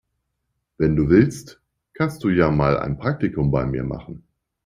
Wenn du willst, kannst du ja mal ein Praktikum bei mir machen.